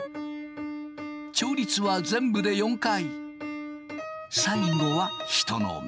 調律は全部で４回。